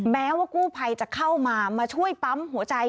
แม้ว่ากู้ภัยจะเข้ามามาช่วยปั๊มหัวใจ